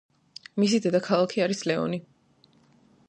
მისი დედაქალაქი არის ლეონი.